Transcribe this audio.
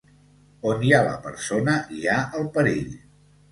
On hi ha la persona, hi ha el perill.